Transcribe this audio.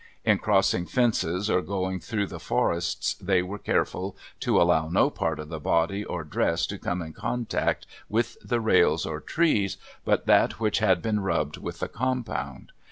In crossing fences or going through the forests they were careful to allow no part of the body or dress to come in contact with the rails or trees but that which had been rubbed with the compound.